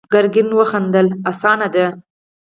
ګرګين وخندل: اسانه ده.